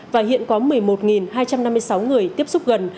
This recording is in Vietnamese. và hiện có một mươi một hai trăm năm mươi sáu người tiếp xúc gần